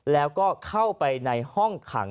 แล้วก็เข้าไปในห้องขัง